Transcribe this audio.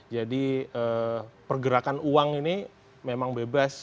jadi pergerakan uang ini memang bebas